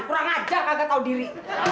kurang ajar kagak tau diri